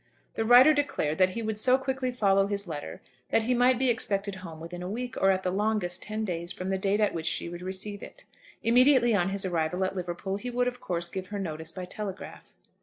The writer declared that he would so quickly follow his letter that he might be expected home within a week, or, at the longest, ten days, from the date at which she would receive it. Immediately on his arrival at Liverpool, he would, of course, give her notice by telegraph.